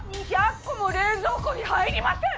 ２００個も冷蔵庫に入りません！